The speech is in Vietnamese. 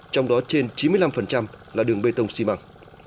trong đó trên chín mươi năm là đường bê tông xi măng